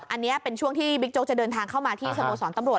อันนี้เป็นช่วงที่บิ๊กโจ๊กจะเดินทางเข้ามาที่สโมสรตำรวจ